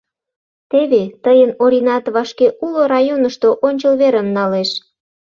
Теве: тыйын Оринат вашке уло районышто ончыл верым налеш.